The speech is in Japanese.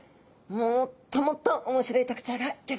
もっともっと面白い特徴がギョざいますよ。